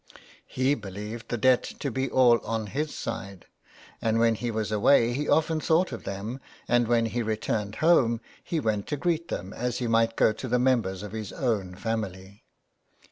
He believed the debt to be all on his side, and when he was away he often thought of them, and when he returned home he went to greet them as he might go to the members of his own family.